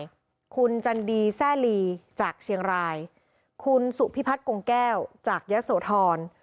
คุณจันดีแซ่ลีจากเชียงรายคุณสุพิพัฒน์กงแก้วจากยะโสธร